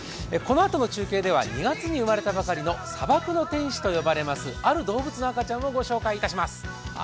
このあとの中継では２月に生まれたばかりの砂漠の天使と呼ばれますある動物の赤ちゃんをご紹介します。